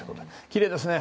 きれいですね。